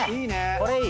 これいい！